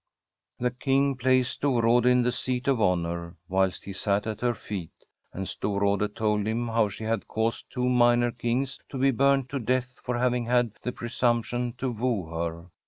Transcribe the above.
The King placed Storrade in the seat of honour, whilst he sat at her feet; and Storrade told him how she had caused two minor kings to be burnt to death for having had the pre sumption to woo her.